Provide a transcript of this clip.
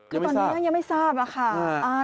คือตอนนี้ยังไม่ทราบอะค่ะ